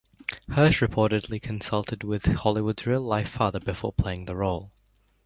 Hirsch reportedly consulted with Hollywood's real life father before playing the role.